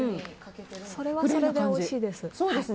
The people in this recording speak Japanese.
それはそれでおいしいです。